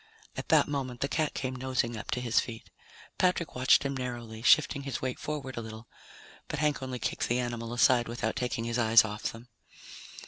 At that moment the cat came nosing up to his feet. Patrick watched him narrowly, shifting his weight forward a little, but Hank only kicked the animal aside without taking his eyes off them.